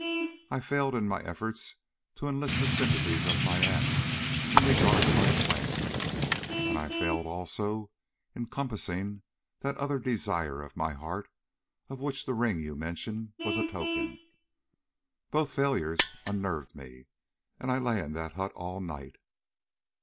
I failed in my efforts to enlist the sympathies of my aunt in regard to my plans, and I failed also in compassing that other desire of my heart of which the ring you mention was a token. Both failures unnerved me, and I lay in that hut all night.